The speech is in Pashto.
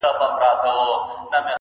چي یې تر دار پوري د حق چیغي وهلي نه وي،